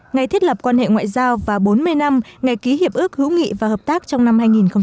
ngày thiết lập quan hệ ngoại giao và bốn mươi năm ngày ký hiệp ước hữu nghị và hợp tác trong năm hai nghìn một mươi chín